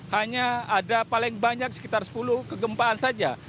hanya ada paling banyak sekitar sepuluh kegempaan saja